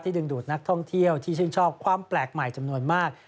ดึงดูดนักท่องเที่ยวที่ชื่นชอบความแปลกใหม่จำนวนมาก